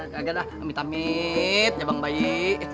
gagal lah amit amit ya bang bayi